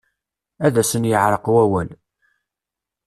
Ad asen-yeεreq wawal.